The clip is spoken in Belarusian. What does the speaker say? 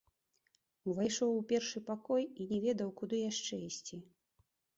Увайшоў у першы пакой і не ведаў, куды яшчэ ісці.